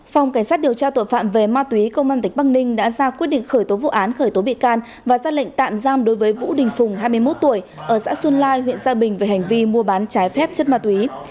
phòng cảnh sát điều tra tội phạm về ma túy công an tỉnh bắc ninh đã ra quyết định khởi tố vụ án khởi tố bị can và ra lệnh tạm giam đối với vũ đình phùng hai mươi một tuổi ở xã xuân lai huyện gia bình về hành vi mua bán trái phép chất ma túy